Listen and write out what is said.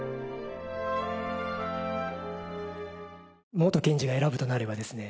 元検事が選ぶとなればですね